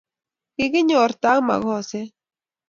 Kikinyorto ak makoset